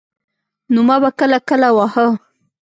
نو ما به کله کله واهه.